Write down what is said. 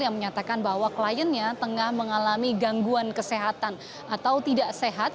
yang menyatakan bahwa kliennya tengah mengalami gangguan kesehatan atau tidak sehat